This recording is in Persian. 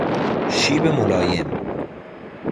شیب ملایم